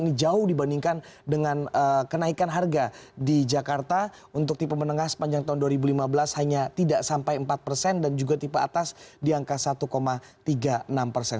ini jauh dibandingkan dengan kenaikan harga di jakarta untuk tipe menengah sepanjang tahun dua ribu lima belas hanya tidak sampai empat persen dan juga tipe atas di angka satu tiga puluh enam persen